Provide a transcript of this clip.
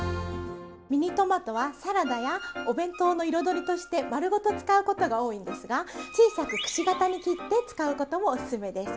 ミニトマトはサラダやお弁当の彩りとして丸ごと使うことが多いんですが小さくくし形に切って使うこともおすすめです。